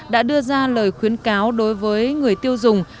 đã đưa ra lời khuyến cáo đối với người tiêu dùng